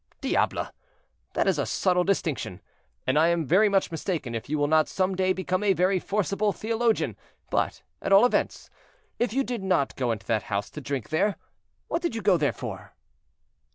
"Diable! that is a subtle distinction, and I am very much mistaken if you will not some day become a very forcible theologian; but, at all events, if you did not go into that house to drink there, what did you go there for?"